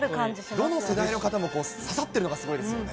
どの世代の方もささってるのがすごいですよね。